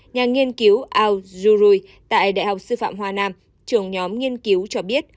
nhà nghiên cứu ao zhu rui tại đại học sư phạm hoa nam trưởng nhóm nghiên cứu cho biết